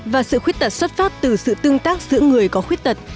và sự khuyết tật xuất phát từ sự tương tác giữa người có khuyết tật